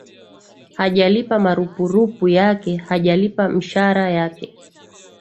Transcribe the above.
hajalipa marupurupu yake hajalipa mshara yake